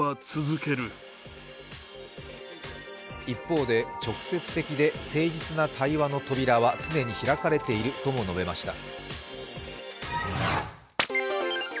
一方で、直接的で誠実な対話の扉は常に開かれているとも述べました。